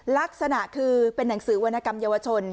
ลักษณะคือเป็นหนังสือวรรณกรรมเยาวชน